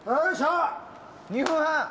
２分半。